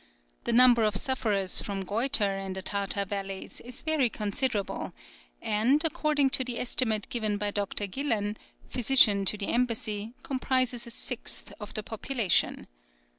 The number of sufferers from goître in the Tartar valleys is very considerable, and, according to the estimate given by Dr. Gillan, physician to the embassy, comprises a sixth of the population.